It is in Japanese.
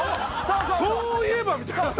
「そういえば」みたいな。